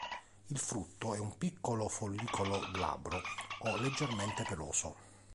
Il frutto è un piccolo follicolo glabro o leggermente peloso.